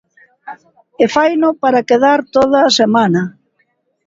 E faino para quedar toda a semana.